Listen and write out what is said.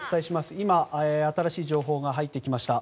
今、新しい情報が入ってきました。